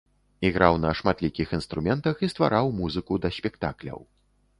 Іграў на шматлікіх інструментах і ствараў музыку да спектакляў.